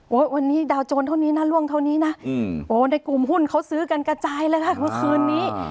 วันนี้ดาวโจรเท่านี้นะล่วงเท่านี้นะโอ้ในกลุ่มหุ้นเขาซื้อกันกระจายเลยค่ะเมื่อคืนนี้